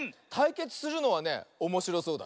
けつするのはねおもしろそうだ。